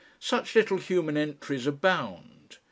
Such little human entries abound.